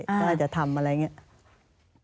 ก็อาจจะทำอะไรอย่างนี้